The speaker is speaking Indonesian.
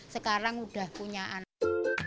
sekarang udah punya anak